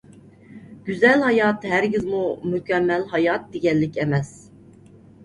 گۈزەل ھايات ھەرگىزمۇ مۇكەممەل ھايات دېگەنلىك ئەمەس.